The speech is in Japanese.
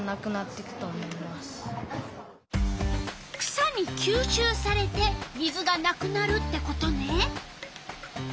草にきゅうしゅうされて水がなくなるってことね。